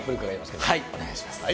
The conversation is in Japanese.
けれお願いします。